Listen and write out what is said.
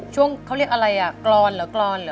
ช่วงเขาเรียกอะไรอ่ะกรอนเหรอกรอนเหรอ